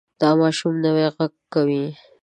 دا ماشوم نوی غږ کوي.